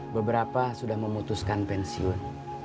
beberapa sudah memutuskan pensiun